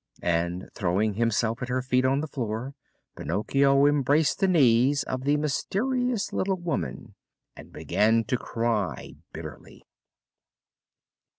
And, throwing himself at her feet on the floor, Pinocchio embraced the knees of the mysterious little woman and began to cry bitterly.